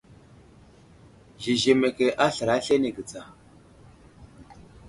Zezemeke aslər aslane ge tsa.